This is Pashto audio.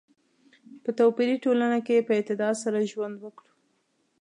په توپیري ټولنه کې په اعتدال سره ژوند وکړو.